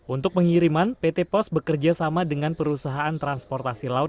untuk pengiriman pt pos bekerjasama dengan perusahaan transportasi laut